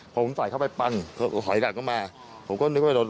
ผมส่ายเข้าไปปั่งเขาหอยหลักลงมา